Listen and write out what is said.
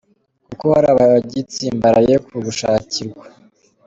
kuko hari abagitsimbaraye ku gushakirwa.